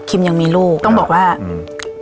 ยังมีลูกต้องบอกว่าอืม